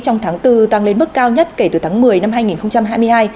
trong tháng bốn tăng lên mức cao nhất kể từ tháng một mươi năm hai nghìn hai mươi hai